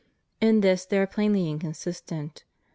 In this they are plainly inconsistent.